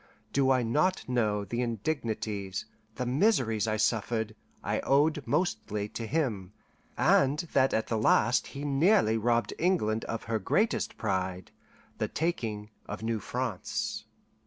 Do I not know, the indignities, the miseries I suffered, I owed mostly to him, and that at the last he nearly robbed England of her greatest pride, the taking of New France?